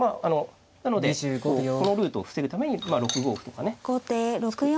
なのでこのルートを防ぐために６五歩とかね突く。